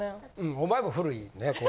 お前も古いねこう。